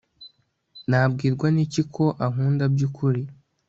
Nabwirwa n iki ko ankunda by ukuri